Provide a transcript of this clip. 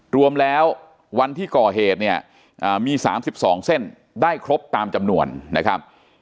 รวมแล้ววันที่ก่อเหตุเนี่ยมี๓๒เส้นได้ครบตามจำนวนนะครับ